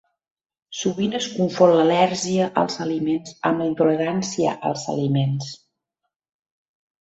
Sovint es confon l'al·lèrgia als aliments amb la intolerància als aliments.